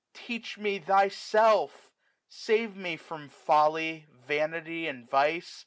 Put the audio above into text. teach me Thyself ! Save me from folly, vanity, and vice.